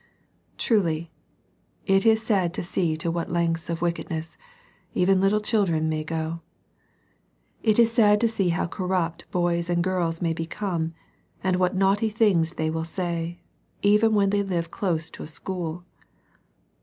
— Truly it is sad to see to what lengths of wickedness even little children may go. • It is sad to see how corrupt boys and girls may be come, and what naughty things they will say, even when they live close to a school